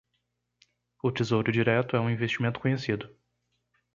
O Tesouro Direto é um investimento conhecido